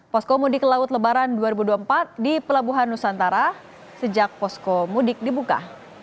posko mudik laut lebaran dua ribu dua puluh empat di pelabuhan nusantara sejak posko mudik dibuka